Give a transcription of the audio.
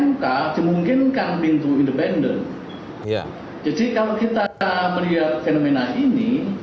mk dimungkinkan pintu independen ya jadi kalau kita melihat fenomena ini